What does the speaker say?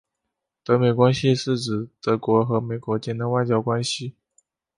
德美关系是指德国和美国间的外交关系。